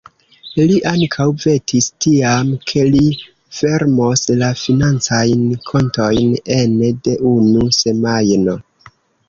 Li ankaŭ vetis tiam, ke li fermos la financajn kontojn ene de unu semajno.